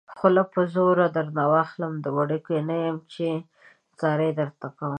خوله به په زوره درنه واخلم وړوکی نه يم چې ځاري درته کومه